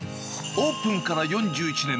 オープンから４１年。